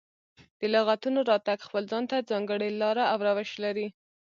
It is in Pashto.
د لغتونو راتګ خپل ځان ته ځانګړې لاره او روش لري.